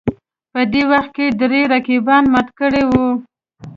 په دې وخت کې درې رقیبان مات کړي وو